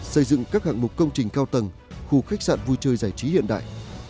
xây dựng các hạng mục công trình cao tầng khu khách sạn vui chơi giải trí hiện đại